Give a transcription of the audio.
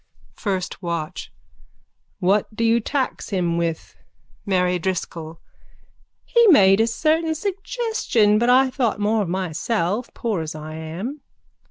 FIRST WATCH: What do you tax him with? MARY DRISCOLL: He made a certain suggestion but I thought more of myself as poor as I am.